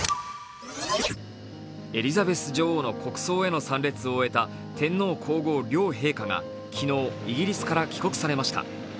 エリザベス女王の国葬への参列を終えた天皇皇后両陛下がイギリスから帰国されました。